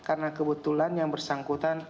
karena kebetulan yang bersangkutan